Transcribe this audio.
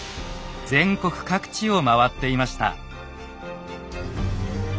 全国各地を回っていました。